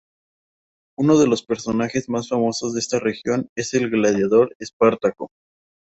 Uno de los personajes más famosos de esta región es el gladiador Espartaco.